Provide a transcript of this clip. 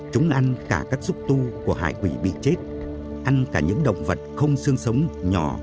chúng ăn cả các súc tu của hải quỷ bị chết ăn cả những động vật không sương sống nhỏ